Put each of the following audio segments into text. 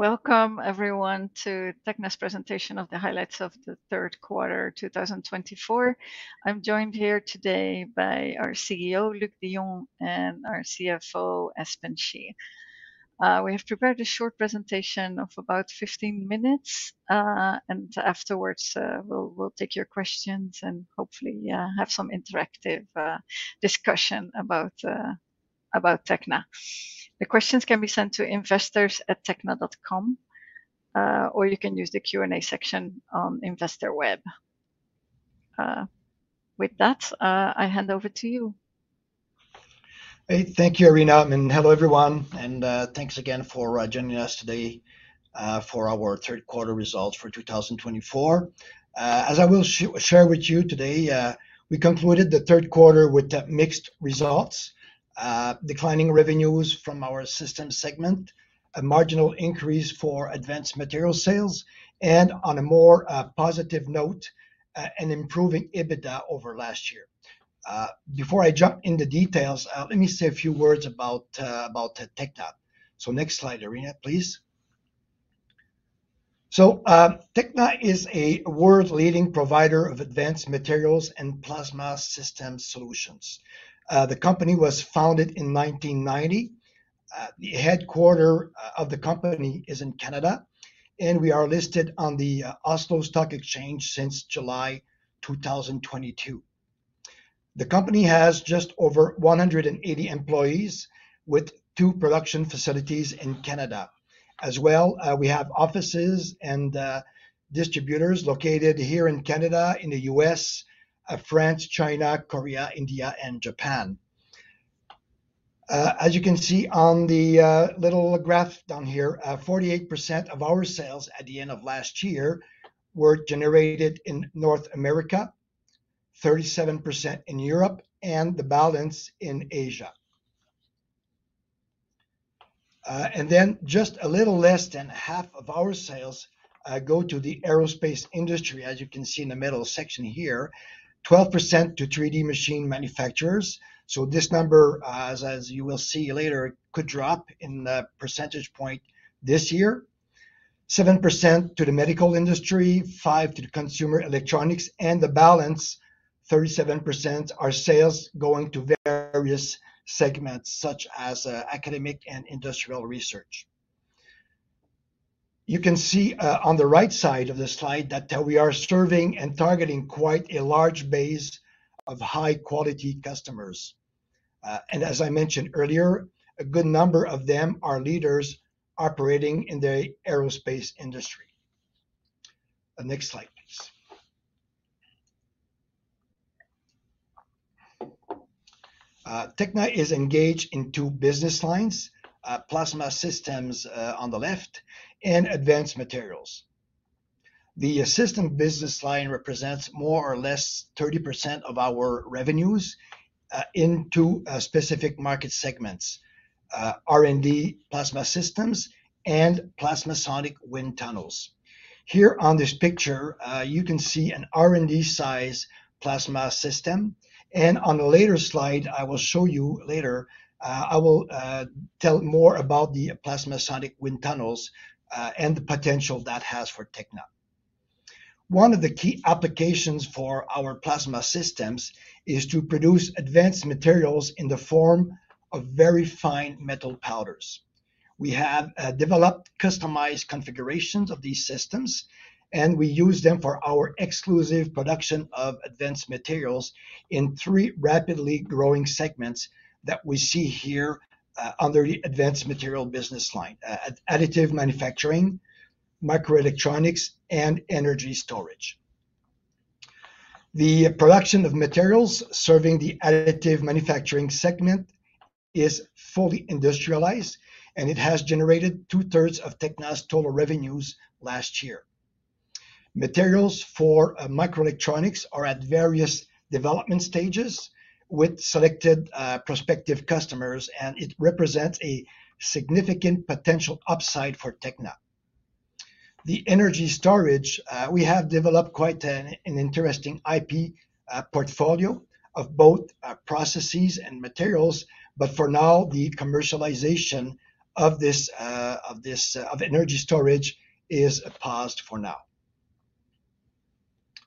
Welcome, everyone, to the Tekna's presentation of the highlights of the third quarter 2024. I'm joined here today by our CEO, Luc Dionne, and our CFO, Espen Schie. We have prepared a short presentation of about 15 minutes, and afterwards we'll take your questions and hopefully have some interactive discussion about Tekna. The questions can be sent to investors@tekna.com, or you can use the Q&A section on InvestorWeb. With that, I hand over to you. Thank you, Arina. And hello, everyone, and thanks again for joining us today for our third quarter results for 2024. As I will share with you today, we concluded the third quarter with mixed results: declining revenues from our system segment, a marginal increase for Advanced Materials sales, and on a more positive note, an improving EBITDA over last year. Before I jump into details, let me say a few words about Tekna. So next slide, Arina, please. So Tekna is a world-leading provider of Advanced Materials and Plasma System solutions. The company was founded in 1990. The headquarters of the company are in Canada, and we are listed on the Oslo Stock Exchange since July 2022. The company has just over 180 employees, with two production facilities in Canada. As well, we have offices and distributors located here in Canada, in the U.S., France, China, Korea, India, and Japan. As you can see on the little graph down here, 48% of our sales at the end of last year were generated in North America, 37% in Europe, and the balance in Asia, and then just a little less than half of our sales go to the aerospace industry, as you can see in the middle section here, 12% to 3D machine manufacturers. So this number, as you will see later, could drop in the percentage point this year. 7% to the medical industry, 5% to consumer electronics, and the balance, 37%, are sales going to various segments, such as academic and industrial research. You can see on the right side of the slide that we are serving and targeting quite a large base of high-quality customers, and as I mentioned earlier, a good number of them are leaders operating in the aerospace industry. Next slide, please. Tekna is engaged in two business lines: Plasma Systems on the left and Advanced Materials. The Systems business line represents more or less 30% of our revenues in two specific market segments: R&D Plasma Systems and PlasmaSonic wind tunnels. Here on this picture, you can see an R&D-size Plasma System. And on the later slide I will show you later, I will tell more about the PlasmaSonic wind tunnels and the potential that has for Tekna. One of the key applications for our Plasma Systems is to produce Advanced Materials in the form of very fine metal powders. We have developed customized configurations of these systems, and we use them for our exclusive production of Advanced Materials in three rapidly growing segments that we see here under the Advanced Materials business line: Additive Manufacturing, Microelectronics, and Energy Storage. The production of materials serving the Additive Manufacturing segment is fully industrialized, and it has generated two-thirds of Tekna's total revenues last year. Materials for Microelectronics are at various development stages with selected prospective customers, and it represents a significant potential upside for Tekna. The Energy Storage, we have developed quite an interesting IP portfolio of both processes and materials, but for now, the commercialization of this Energy Storage is paused for now.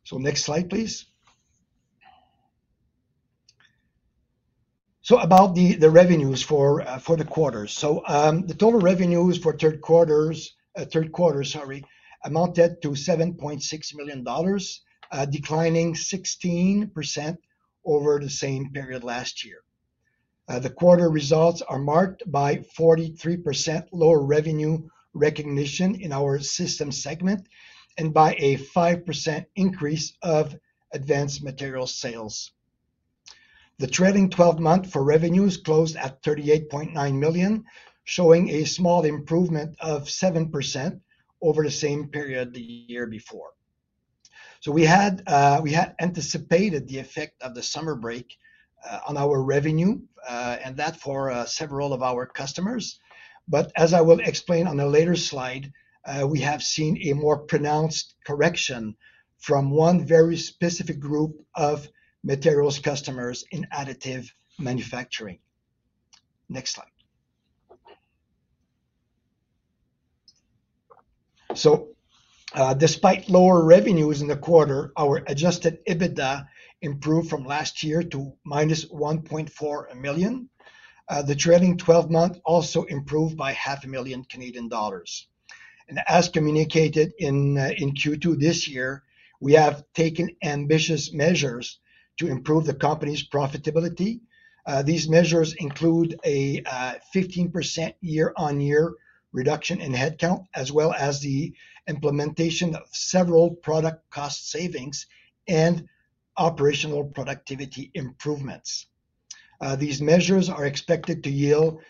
So next slide, please. So about the revenues for the quarter. So the total revenues for third quarter, sorry, amounted to 7.6 million dollars, declining 16% over the same period last year. The quarter results are marked by 43% lower revenue recognition in our system segment and by a 5% increase of Advanced Materials sales. The trailing 12 months for revenues closed at 38.9 million, showing a small improvement of 7% over the same period the year before. We had anticipated the effect of the summer break on our revenue and that for several of our customers. As I will explain on the later slide, we have seen a more pronounced correction from one very specific group of materials customers in Additive Manufacturing. Next slide. Despite lower revenues in the quarter, our adjusted EBITDA improved from last year to -1.4 million. The trailing 12 months also improved by 500,000 Canadian dollars. As communicated in Q2 this year, we have taken ambitious measures to improve the company's profitability. These measures include a 15% year-on-year reduction in headcount, as well as the implementation of several product cost savings and operational productivity improvements. These measures are expected to yield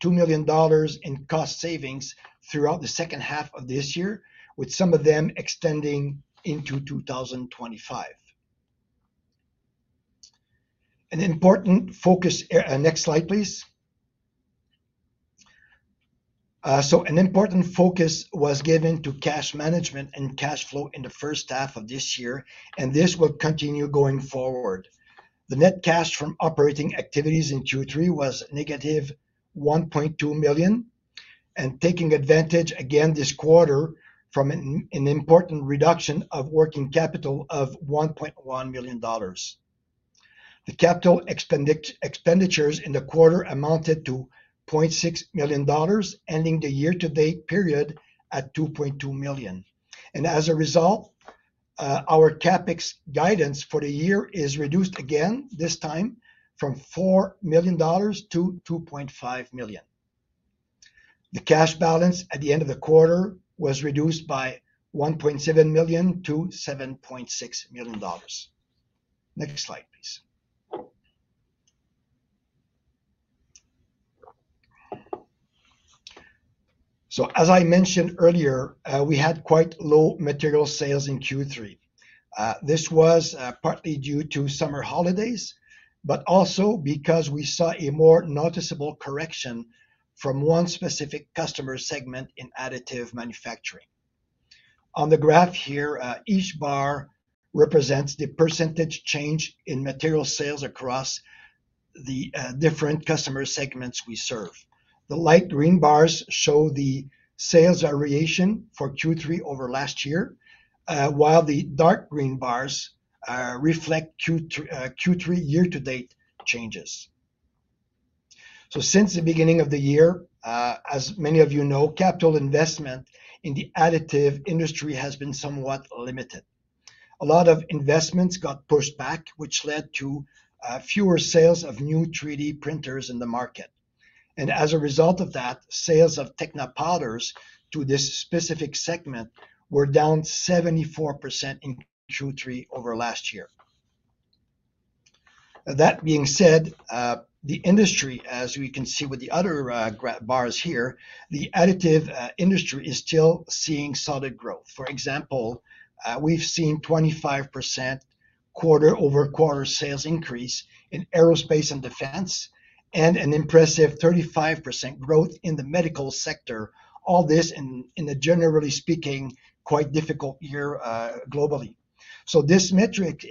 2 million dollars in cost savings throughout the second half of this year, with some of them extending into 2025. An important focus. Next slide, please. So an important focus was given to cash management and cash flow in the first half of this year, and this will continue going forward. The net cash from operating activities in Q3 was -1.2 million, and taking advantage again this quarter from an important reduction of working capital of 1.1 million dollars. The capital expenditures in the quarter amounted to 0.6 million dollars, ending the year-to-date period at 2.2 million. And as a result, our CapEx guidance for the year is reduced again this time from 4 million dollars to 2.5 million. The cash balance at the end of the quarter was reduced by 1.7 million to 7.6 million dollars. Next slide, please. So as I mentioned earlier, we had quite low material sales in Q3. This was partly due to summer holidays, but also because we saw a more noticeable correction from one specific customer segment in Additive Manufacturing. On the graph here, each bar represents the percentage change in material sales across the different customer segments we serve. The light green bars show the sales variation for Q3 over last year, while the dark green bars reflect Q3 year-to-date changes, so since the beginning of the year, as many of you know, capital investment in the Additive industry has been somewhat limited. A lot of investments got pushed back, which led to fewer sales of new 3D printers in the market, and as a result of that, sales of Tekna powders to this specific segment were down 74% in Q3 over last year. That being said, the industry, as we can see with the other bars here, the Additive industry is still seeing solid growth. For example, we've seen a 25% quarter-over-quarter sales increase in aerospace and defense, and an impressive 35% growth in the medical sector, all this in a, generally speaking, quite difficult year globally. So this metric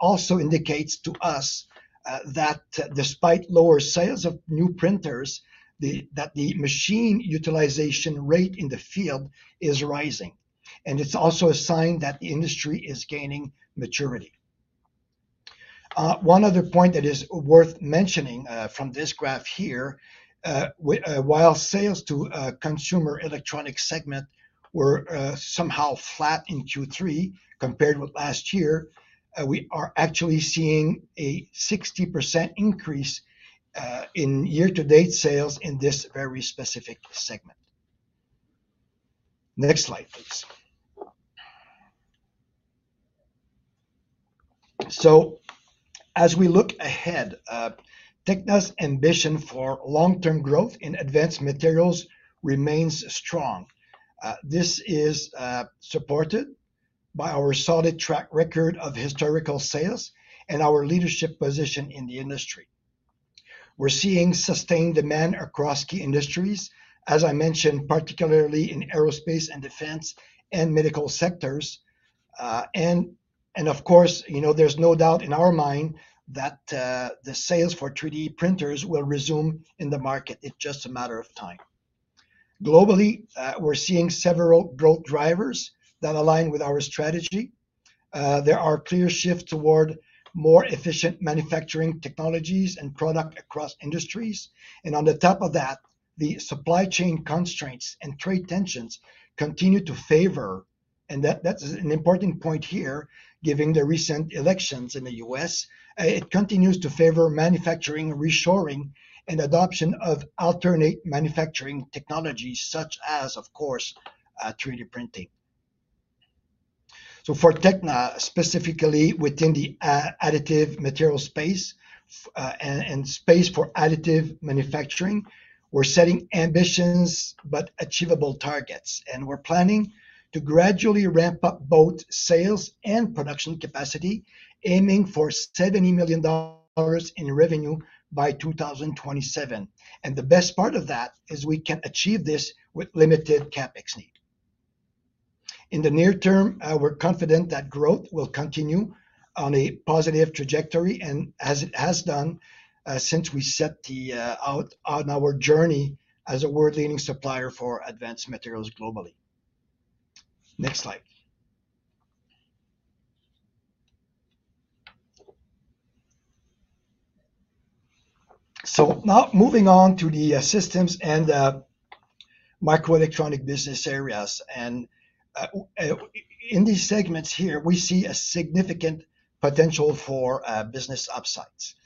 also indicates to us that despite lower sales of new printers, the machine utilization rate in the field is rising. And it's also a sign that the industry is gaining maturity. One other point that is worth mentioning from this graph here, while sales to the consumer electronics segment were somehow flat in Q3 compared with last year, we are actually seeing a 60% increase in year-to-date sales in this very specific segment. Next slide, please. So as we look ahead, Tekna's ambition for long-term growth in Advanced Materials remains strong. This is supported by our solid track record of historical sales and our leadership position in the industry. We're seeing sustained demand across key industries, as I mentioned, particularly in aerospace and defense and medical sectors, and of course, there's no doubt in our mind that the sales for 3D printers will resume in the market. It's just a matter of time. Globally, we're seeing several growth drivers that align with our strategy. There are clear shifts toward more efficient manufacturing technologies and products across industries, and on the top of that, the supply chain constraints and trade tensions continue to favor, and that's an important point here, given the recent elections in the U.S. It continues to favor manufacturing reshoring and adoption of alternate manufacturing technologies, such as, of course, 3D printing. So for Tekna, specifically within the Additive Material space and space for Additive Manufacturing, we're setting ambitions but achievable targets. We're planning to gradually ramp up both sales and production capacity, aiming for 70 million dollars in revenue by 2027. The best part of that is we can achieve this with limited CapEx need. In the near term, we're confident that growth will continue on a positive trajectory, and as it has done since we set out on our journey as a world-leading supplier for Advanced Materials globally. Next slide. Now moving on to the systems and microelectronic business areas. In these segments here, we see a significant potential for business upsides.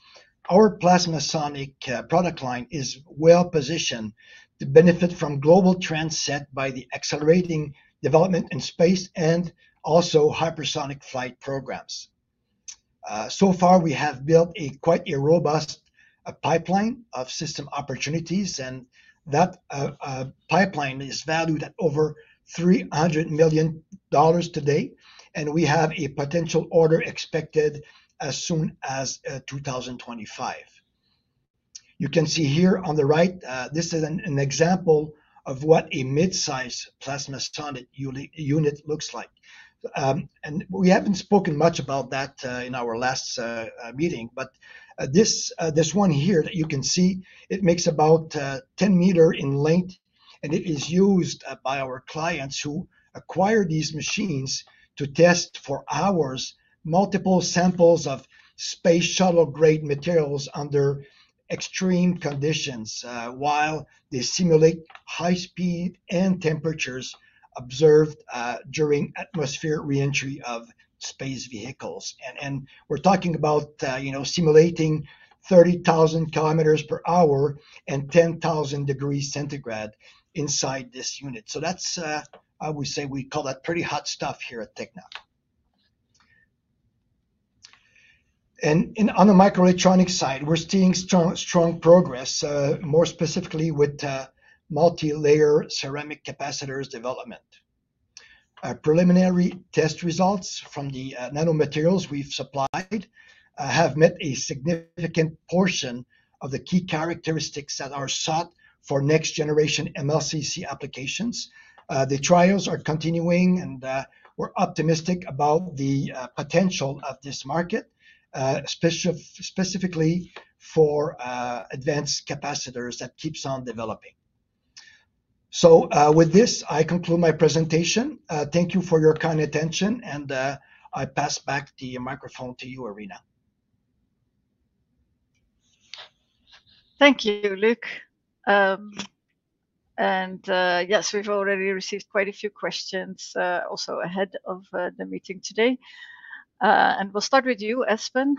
Our PlasmaSonic product line is well positioned to benefit from global trends set by the accelerating development in space and also hypersonic flight programs. So far, we have built a quite robust pipeline of system opportunities, and that pipeline is valued at over 300 million dollars today. We have a potential order expected as soon as 2025. You can see here on the right, this is an example of what a mid-size PlasmaSonic unit looks like. We haven't spoken much about that in our last meeting, but this one here that you can see, it makes about 10 meters in length, and it is used by our clients who acquire these machines to test for hours multiple samples of space shuttle-grade materials under extreme conditions while they simulate high speed and temperatures observed during atmospheric re-entry of space vehicles. We're talking about simulating 30,000 km per hour and 10,000 degrees centigrade inside this unit. That's, I would say, we call that pretty hot stuff here at Tekna. On the microelectronic side, we're seeing strong progress, more specifically with multi-layer ceramic capacitors development. Preliminary test results from the nanomaterials we've supplied have met a significant portion of the key characteristics that are sought for next-generation MLCC applications. The trials are continuing, and we're optimistic about the potential of this market, specifically for advanced capacitors that keep on developing. So with this, I conclude my presentation. Thank you for your kind attention, and I pass back the microphone to you, Arina. Thank you, Luc. And yes, we've already received quite a few questions also ahead of the meeting today. And we'll start with you, Espen,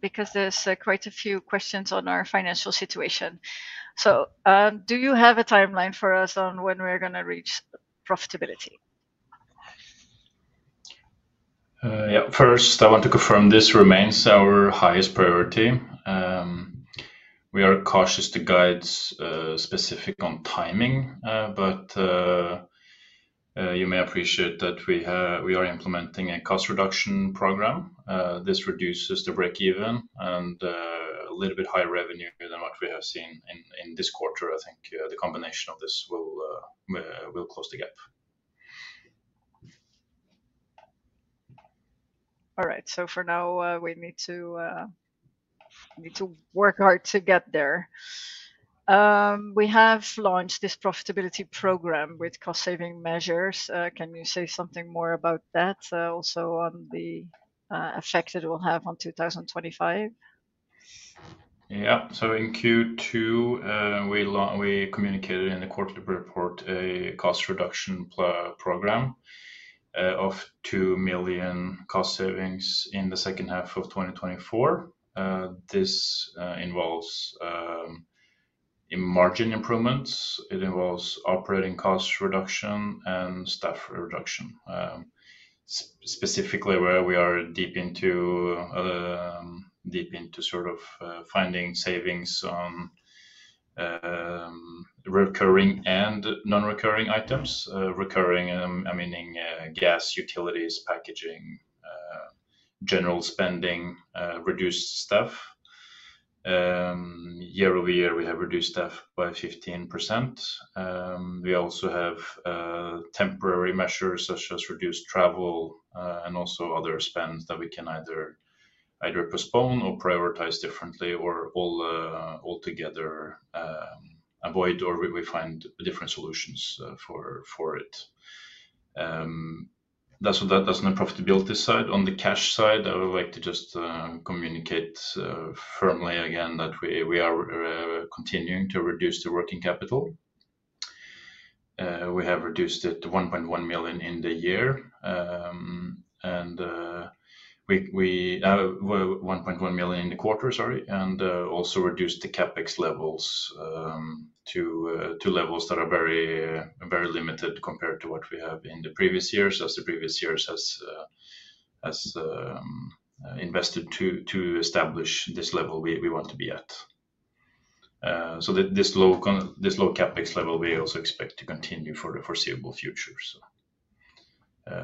because there's quite a few questions on our financial situation. So do you have a timeline for us on when we're going to reach profitability? Yeah. First, I want to confirm this remains our highest priority. We are cautious to guide specifically on timing, but you may appreciate that we are implementing a cost reduction program. This reduces the break-even and a little bit higher revenue than what we have seen in this quarter. I think the combination of this will close the gap. All right. So for now, we need to work hard to get there. We have launched this profitability program with cost-saving measures. Can you say something more about that, also on the effect that it will have on 2025? Yeah. So in Q2, we communicated in the quarterly report a cost reduction program of 2 million cost savings in the second half of 2024. This involves margin improvements. It involves operating cost reduction and staff reduction. Specifically, where we are deep into sort of finding savings on recurring and non-recurring items, recurring, I meaning gas, utilities, packaging, general spending, reduced staff. Year over year, we have reduced staff by 15%. We also have temporary measures such as reduced travel and also other spends that we can either postpone or prioritize differently or altogether avoid or we find different solutions for it. That's on the profitability side. On the cash side, I would like to just communicate firmly again that we are continuing to reduce the working capital. We have reduced it to 1.1 million in the year, and we have 1.1 million in the quarter, sorry, and also reduced the CapEx levels to levels that are very limited compared to what we have in the previous years. As the previous years have invested to establish this level we want to be at. So this low CapEx level, we also expect to continue for the foreseeable future. So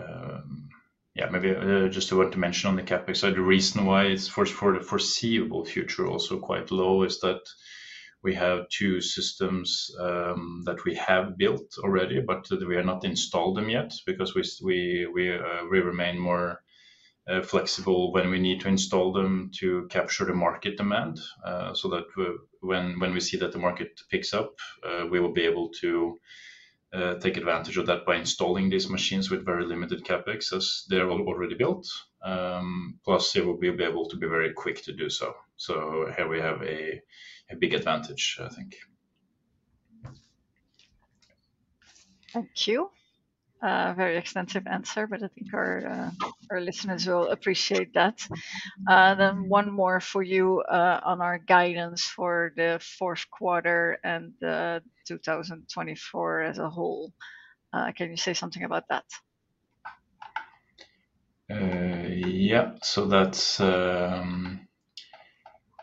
yeah, maybe just I want to mention on the CapEx side, the reason why it's for the foreseeable future also quite low is that we have two systems that we have built already, but we have not installed them yet because we remain more flexible when we need to install them to capture the market demand. So that when we see that the market picks up, we will be able to take advantage of that by installing these machines with very limited CapEx as they're already built. Plus, they will be able to be very quick to do so. So here we have a big advantage, I think. Thank you. Very extensive answer, but I think our listeners will appreciate that. Then one more for you on our guidance for the fourth quarter and 2024 as a whole. Can you say something about that? Yeah. So that's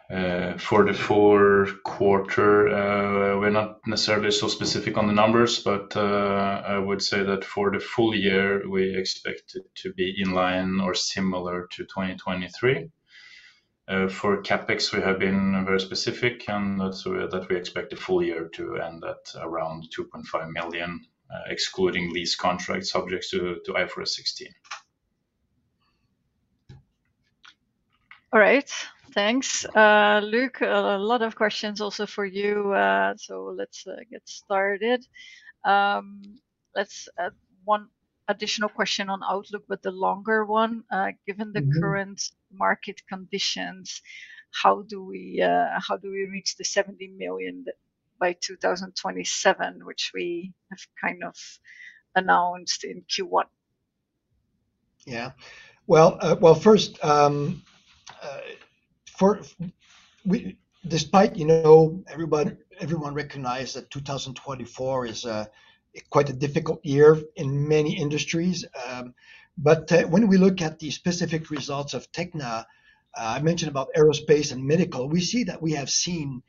for the fourth quarter, we're not necessarily so specific on the numbers, but I would say that for the full year, we expect it to be in line or similar to 2023. For CapEx, we have been very specific, and that's where we expect the full year to end at around 2.5 million, excluding lease contracts subject to IFRS 16. All right. Thanks. Luc, a lot of questions also for you. So let's get started. Let's add one additional question on Outlook, but the longer one. Given the current market conditions, how do we reach the 70 million by 2027, which we have kind of announced in Q1? Yeah. Well, first, despite everyone recognizes that 2024 is quite a difficult year in many industries, but when we look at the specific results of Tekna, I mentioned about aerospace and medical, we see that we have seen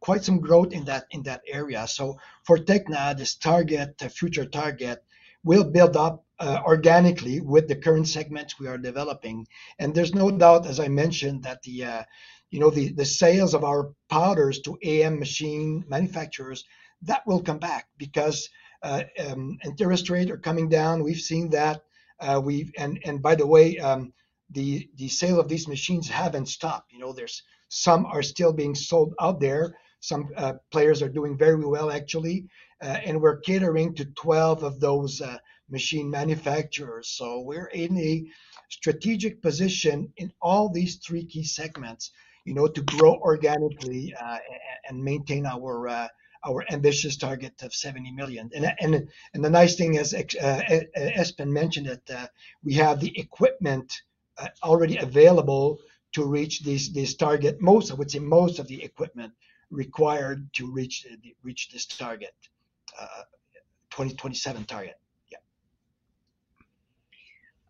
quite some growth in that area. So for Tekna, this target, the future target, will build up organically with the current segments we are developing. And there's no doubt, as I mentioned, that the sales of our powders to AM machine manufacturers, that will come back because interest rates are coming down. We've seen that. And by the way, the sale of these machines hasn't stopped. There's some that are still being sold out there. Some players are doing very well, actually. And we're catering to 12 of those machine manufacturers. So we're in a strategic position in all these three key segments to grow organically and maintain our ambitious target of 70 million. And the nice thing is, as Espen mentioned, that we have the equipment already available to reach this target, most, I would say most of the equipment required to reach this target, 2027 target.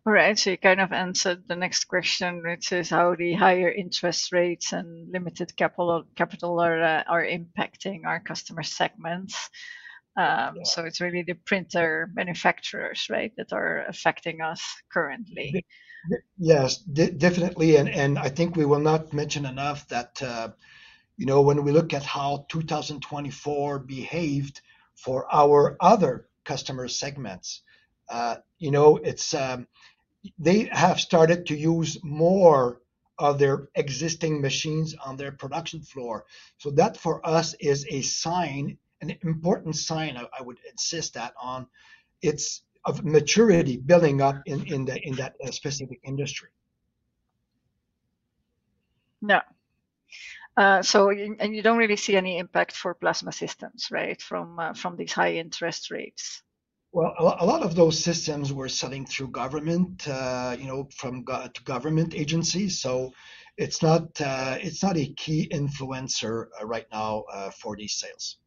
Yeah. All right. So you kind of answered the next question, which is how the higher interest rates and limited capital are impacting our customer segments. So it's really the printer manufacturers, right, that are affecting us currently. Yes, definitely. And I think we will not mention enough that when we look at how 2024 behaved for our other customer segments, they have started to use more of their existing machines on their production floor. So that for us is a sign, an important sign, I would insist on, of maturity building up in that specific industry. Yeah. And you don't really see any impact for Plasma Systems, right, from these high interest rates? Well, a lot of those systems we're selling through government, from government agencies. So it's not a key influencer right now for these sales.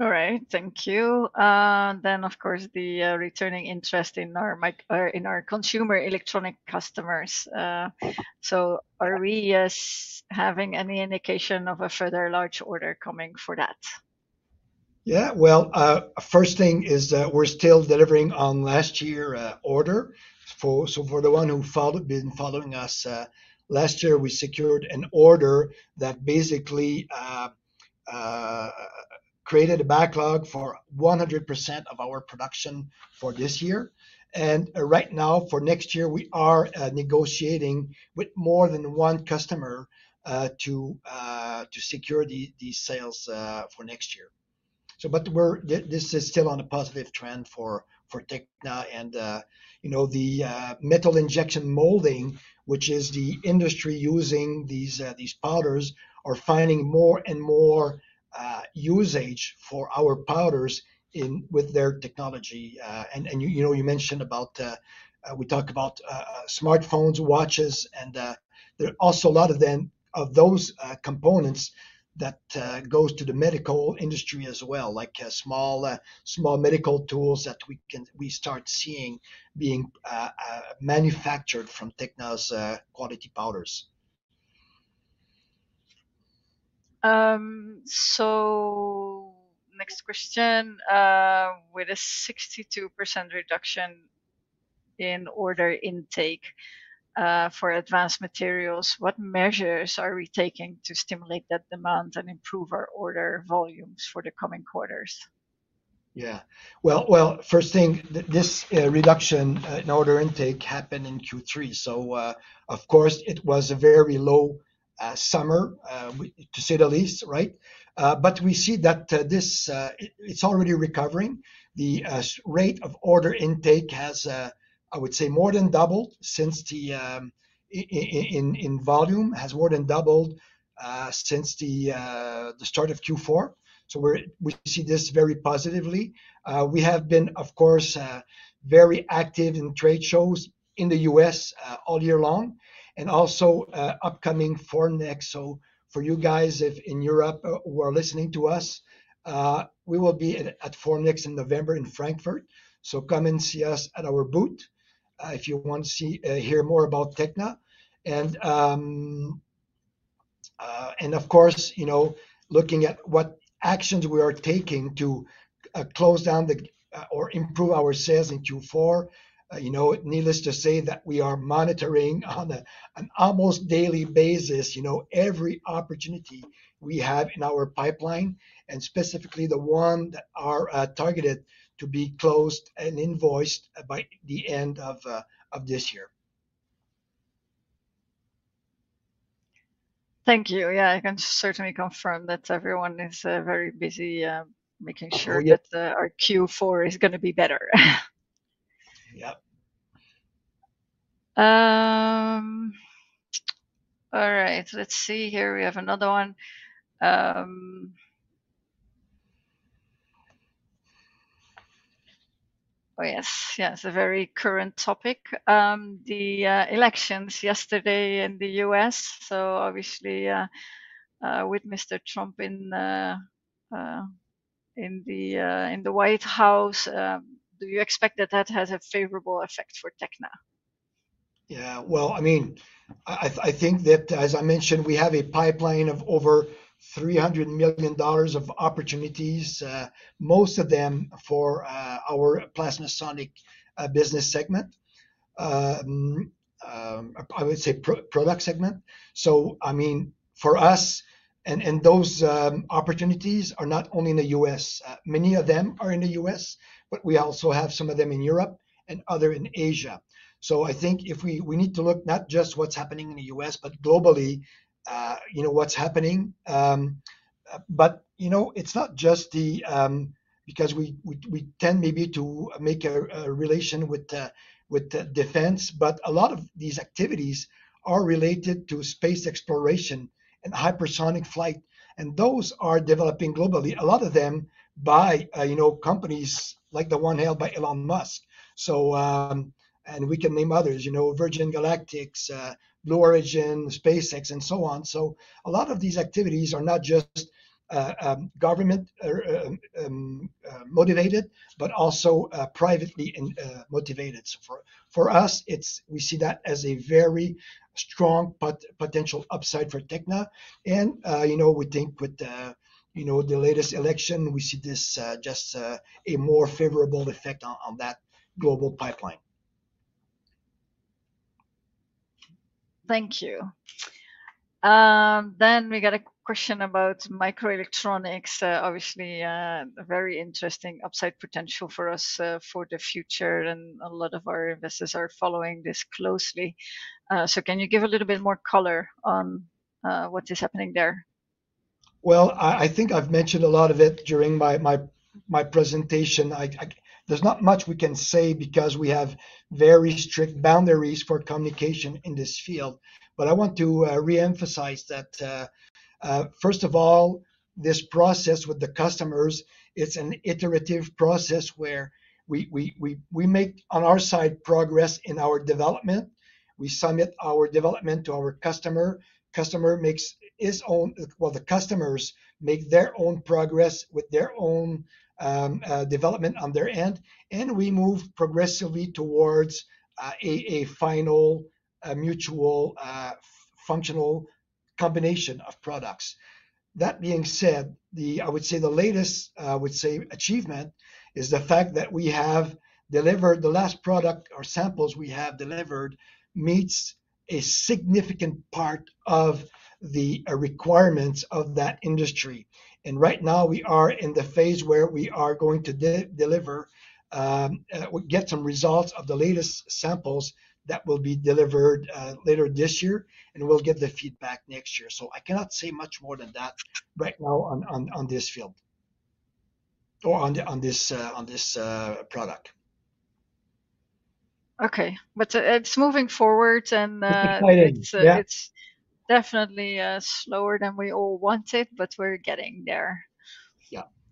All right. Thank you. Then, of course, the returning interest in our consumer electronic customers. So are we having any indication of a further large order coming for that? Yeah. Well, first thing is that we're still delivering on last year's order. So for the one who's been following us, last year, we secured an order that basically created a backlog for 100% of our production for this year. Right now, for next year, we are negotiating with more than one customer to secure these sales for next year. But this is still on a positive trend for Tekna. The metal injection molding, which is the industry using these powders, are finding more and more usage for our powders with their technology. You mentioned about we talk about smartphones, watches, and there are also a lot of those components that go to the medical industry as well, like small medical tools that we start seeing being manufactured from Tekna's quality powders. Next question. With a 62% reduction in order intake for Advanced Materials, what measures are we taking to stimulate that demand and improve our order volumes for the coming quarters? Yeah. Well, first thing, this reduction in order intake happened in Q3. Of course, it was a very low summer, to say the least, right? But we see that it's already recovering. The rate of order intake has, I would say, more than doubled since then. Volume has more than doubled since the start of Q4. We see this very positively. We have been, of course, very active in trade shows in the U.S. all year long, and also upcoming Formnext, for you guys in Europe who are listening to us, we will be at Formnext in November in Frankfurt. Come and see us at our booth if you want to hear more about Tekna. And of course, looking at what actions we are taking to close down or improve our sales in Q4, needless to say that we are monitoring on an almost daily basis every opportunity we have in our pipeline, and specifically the one that are targeted to be closed and invoiced by the end of this year. Thank you. Yeah. I can certainly confirm that everyone is very busy making sure that our Q4 is going to be better. Yeah. All right. Let's see here. We have another one. Oh, yes. Yeah. It's a very current topic. The elections yesterday in the U.S. So obviously, with Mr. Trump in the White House, do you expect that that has a favorable effect for Tekna? Yeah. I mean, I think that, as I mentioned, we have a pipeline of over 300 million dollars of opportunities, most of them for our PlasmaSonic business segment, I would say product segment. I mean, for us, those opportunities are not only in the U.S. Many of them are in the U.S., but we also have some of them in Europe and others in Asia. I think we need to look not just what's happening in the U.S., but globally, what's happening. It's not just the because we tend maybe to make a relation with defense, but a lot of these activities are related to space exploration and hypersonic flight. Those are developing globally, a lot of them by companies like the one held by Elon Musk. We can name others, Virgin Galactic, Blue Origin, SpaceX, and so on. A lot of these activities are not just government-motivated, but also privately motivated. For us, we see that as a very strong potential upside for Tekna. We think with the latest election, we see just a more favorable effect on that global pipeline. Thank you. Then we got a question about Microelectronics. Obviously, very interesting upside potential for us for the future. A lot of our investors are following this closely. Can you give a little bit more color on what is happening there? I think I've mentioned a lot of it during my presentation. There's not much we can say because we have very strict boundaries for communication in this field. I want to re-emphasize that, first of all, this process with the customers, it's an iterative process where we make, on our side, progress in our development. We submit our development to our customer. Customer makes his own well, the customers make their own progress with their own development on their end. And we move progressively towards a final mutual functional combination of products. That being said, I would say the latest, I would say, achievement is the fact that we have delivered the last product or samples we have delivered meets a significant part of the requirements of that industry. And right now, we are in the phase where we are going to deliver, get some results of the latest samples that will be delivered later this year, and we'll get the feedback next year. So I cannot say much more than that right now on this field or on this product. Okay. But it's moving forward, and it's definitely slower than we all wanted, but we're getting there.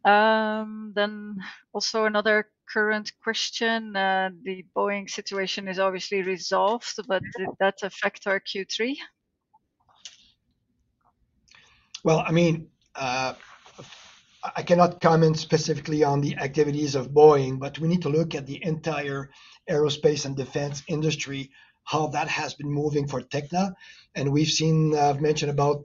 Then also another current question. The Boeing situation is obviously resolved, but did that affect our Q3? Well, I mean, I cannot comment specifically on the activities of Boeing, but we need to look at the entire aerospace and defense industry and how that has been moving for Tekna, and I've mentioned about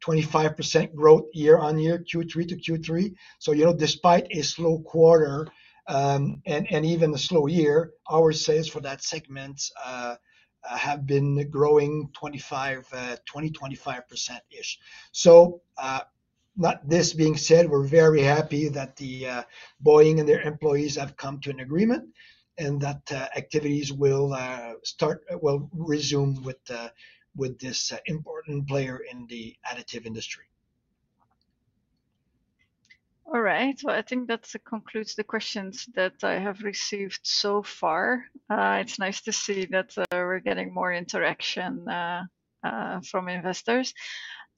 25% growth year on year, Q3-to-Q3, so despite a slow quarter and even a slow year, our sales for that segment have been growing 20%-25%-ish, so this being said, we're very happy that Boeing and their employees have come to an agreement and that activities will resume with this important player in the Additive industry. All right, well, I think that concludes the questions that I have received so far. It's nice to see that we're getting more interaction from investors.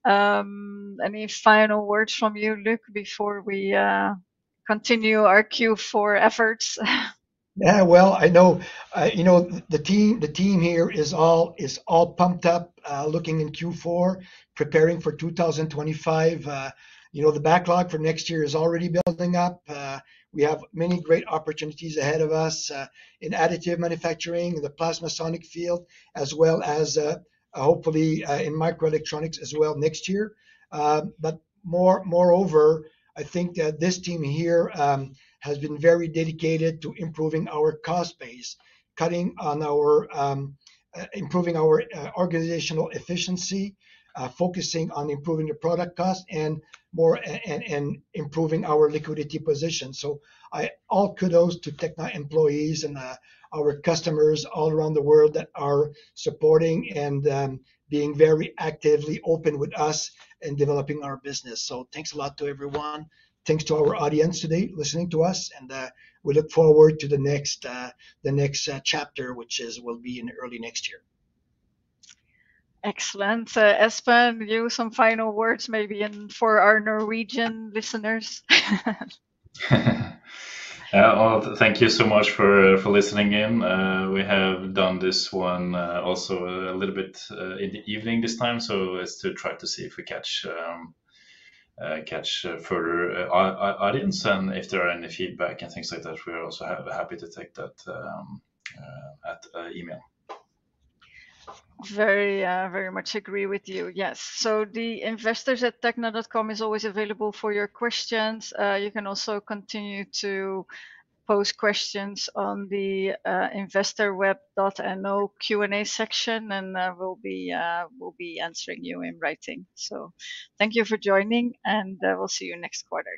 Any final words from you, Luc, before we continue our Q4 efforts? Yeah. I know the team here is all pumped up looking in Q4, preparing for 2025. The backlog for next year is already building up. We have many great opportunities ahead of us in Additive Manufacturing, the PlasmaSonic field, as well as hopefully in Microelectronics as well next year. But moreover, I think that this team here has been very dedicated to improving our cost base, cutting on our organizational efficiency, focusing on improving the product cost, and improving our liquidity position. So all kudos to Tekna employees and our customers all around the world that are supporting and being very actively open with us in developing our business. So thanks a lot to everyone. Thanks to our audience today listening to us. We look forward to the next chapter, which will be in early next year. Excellent. Espen, you have some final words maybe for our Norwegian listeners? Thank you so much for listening in. We have done this one also a little bit in the evening this time, so let's try to see if we catch further audience, and if there are any feedback and things like that, we're also happy to take that via email. Very much agree with you. Yes, so the investors@tekna.com is always available for your questions. You can also continue to post questions on the InvestorWeb.no Q&A section, and we'll be answering you in writing, so thank you for joining, and we'll see you next quarter.